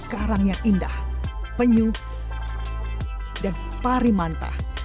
ada juga karang yang indah penyu dan pari manta